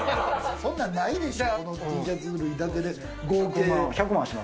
そんなのないでしょ。